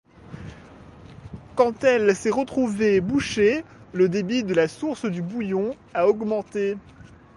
Quand elle s'est retrouvée bouchée, le débit de la source du Bouillon a augmenté.